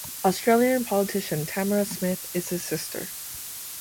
Australian politician Tamara Smith is his sister.